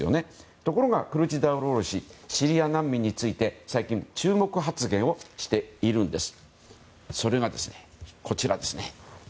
ところが、クルチダルオール氏シリア難民について最近、注目発言をしているんです。